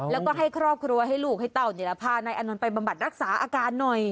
แล้วก็ให้ครอบครัวให้ลูกให้เต้านี่แหละพานายอานนท์ไปบำบัดรักษาอาการหน่อย